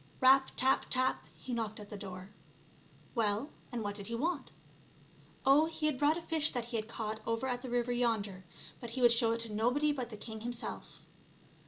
Rap ! tap ! tap ! he knocked at the door. Well, and what did he want ? Oh, he had brought a fish that he had caught over at the river yonder, but he would show it to nobody but the king himself.